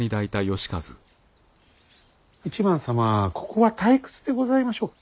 ここは退屈でございましょう。